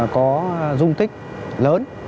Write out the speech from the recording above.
có dung tích lớn